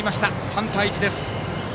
３対１です。